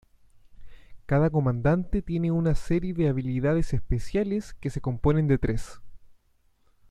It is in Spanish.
Cada comandante tiene una serie de habilidades especiales que se componen de tres.